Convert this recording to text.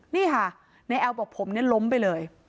นี่ค่ะแอลบอกผมล้มไปเลย